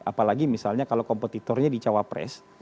apalagi misalnya kalau kompetitornya di cawapres